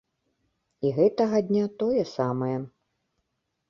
І гэтага дня тое самае.